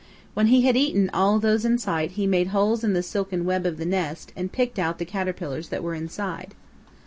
When he had eaten all those in sight he made holes in the silken web of the nest and picked out the caterpillars that were inside.